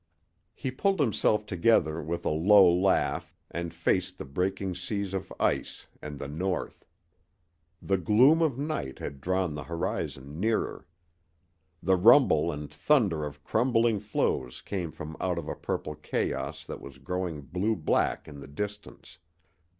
He pulled himself together with a low laugh and faced the breaking seas of ice and the north. The gloom of night had drawn the horizon nearer. The rumble and thunder of crumbling floes came from out of a purple chaos that was growing blue black in the distance.